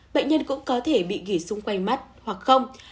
bệnh nhân cũng có thể bị gửi xung quanh mắt hoặc không